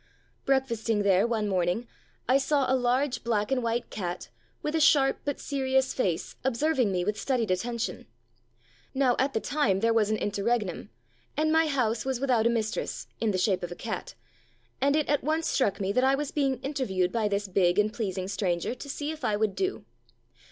Breakfasting there one morning, I saw a large black and white cat, with a sharp but serious face, observ ing me with studied attention. Now at the time there was an interregnum, and my house was with out a mistress (in the shape of a cat), and it at once struck me that I was being interviewed by this big and pleasing stranger, to see if I would do.